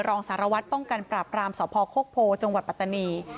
รองสารวัตรป้องกันปราบรามสพโคกโพจังหวัดปัตตานี